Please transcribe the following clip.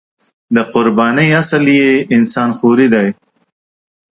د قربانۍ اصل یې انسان خوري دی.